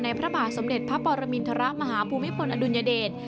พระบาทสมเด็จพระปรมินทรมาฮภูมิพลอดุลยเดช